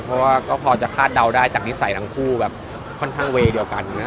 เพราะว่าก็พอจะคาดเดาได้จากนิสัยทั้งคู่แบบค่อนข้างเวย์เดียวกัน